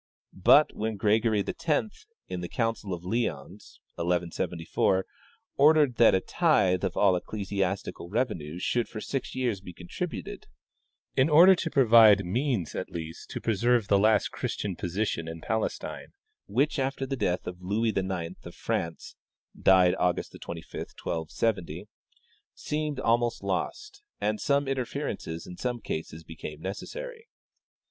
But when Gregory X,' in the council of Lyons (1174), ordered that a tithe of all ecclesiastical revenues should for six years be contributed, in order to provide means at least to preserve the last Christian position in Palestine, which, after the death of Louis IX of France (died August 25, 1270), seemed almost lost, such interference in some cases became necessary.